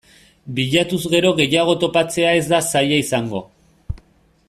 Bilatuz gero gehiago topatzea ez da zaila izango.